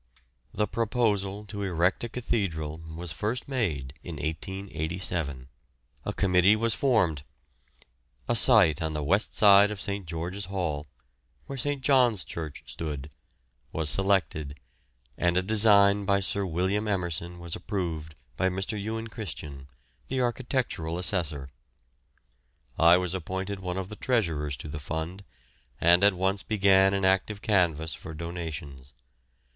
The proposal to erect a cathedral was first made in 1887. A committee was formed; a site on the west side of St. George's Hall where St. John's Church stood was selected, and a design by Sir William Emerson was approved by Mr. Ewan Christian, the architectural assessor. I was appointed one of the treasurers to the fund, and at once began an active canvass for donations.